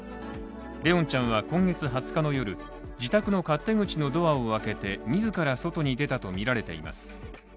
怜音ちゃんは今月２０日の夜自宅の勝手口のドアを開けて自ら外に出たとみられています。